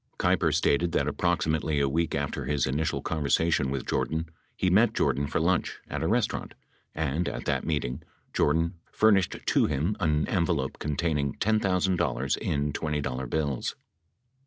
559 Keiper stated that approximately a week after his initial conversa tion with Jordan, he met Jordan for lunch at a restaurant, and at that meeting Jordan furnished to him an envelope containing $10,000 in $20 bills.